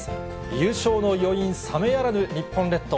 優勝の余韻冷めやらぬ日本列島。